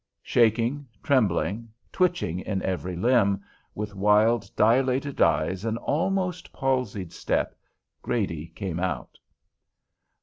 Shaking, trembling, twitching in every limb, with wild, dilated eyes and almost palsied step, O'Grady came out.